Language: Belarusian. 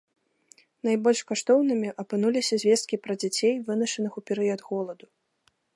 Найбольш каштоўнымі апынуліся звесткі пра дзяцей, вынашаных у перыяд голаду.